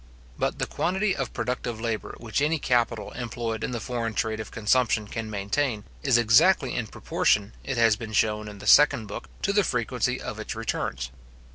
But the quantity of productive labour which any capital employed in the foreign trade of consumption can maintain, is exactly in proportion, it has been shown in the second book, to the frequency of its returns.